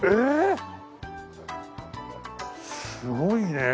すごいね。